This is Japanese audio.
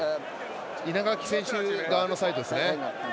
稲垣選手側のサイドですね。